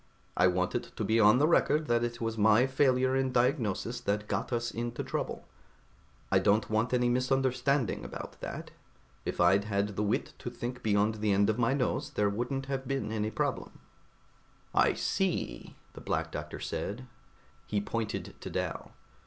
"I want it to be on the record that it was my failure in diagnosis that got us into trouble. I don't want any misunderstanding about that. If I'd had the wit to think beyond the end of my nose, there wouldn't have been any problem." "I see," the Black Doctor said. He pointed to Dal.